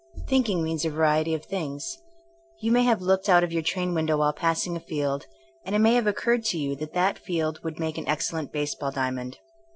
Thinking means a variety of things. You may have looked out of your train window while passing a field, and it may have occurred to you that that field would make an excellent baseball diamond.